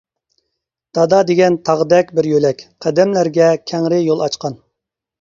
دادا دېگەن تاغدەك بىر يۆلەك، قەدەملەرگە كەڭرى يول ئاچقان.